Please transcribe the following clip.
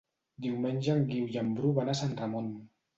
Diumenge en Guiu i en Bru van a Sant Ramon.